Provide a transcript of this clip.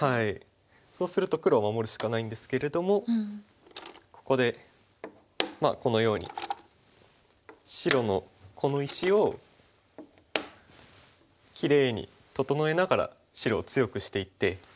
そうすると黒は守るしかないんですけれどもここでまあこのように白のこの石をきれいに整えながら白を強くしていって。